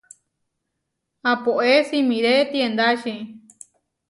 Apoé simiré tiendači.